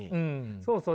そうそう。